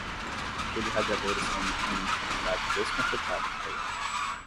Aquele radiador está emitindo uma quantidade desconfortável de calor.